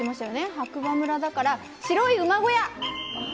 白馬村だから、白い馬小屋。